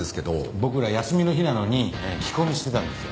僕ら休みの日なのに聞き込みしてたんですよ。